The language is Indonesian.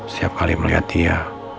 setiap kali melihat dia